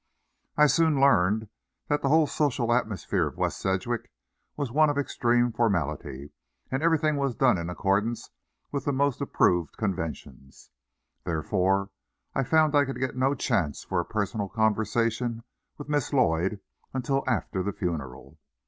I soon learned that the whole social atmosphere of West Sedgwick was one of extreme formality, and everything was done in accordance with the most approved conventions. Therefore, I found I could get no chance for a personal conversation with Miss Lloyd until after the funeral.